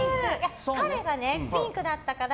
彼がピンクだったから。